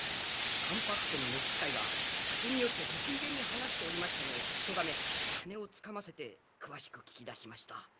関白家の召し使いが酒に酔って得意げに話しておりましたのを聞きとがめ金をつかませて詳しく聞き出しました。